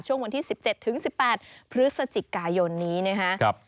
ช่วงวันที่๑๗ถึง๑๘พฤศจิกายนนี้นะครับ